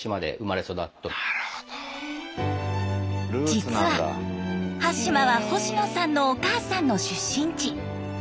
実は端島は星野さんのお母さんの出身地。